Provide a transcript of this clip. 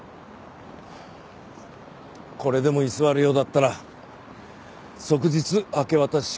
これでも居座るようだったら即日明け渡し執行をするだけだ。